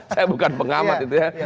saya bukan pengamat itu ya